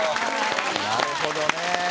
なるほどね。